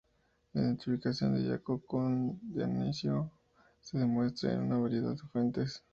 La identificación de Yaco con Dioniso se demuestra en una variedad de fuentes.